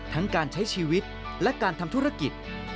ทั้งการใช้ชีวิตและการทำธุรกิจ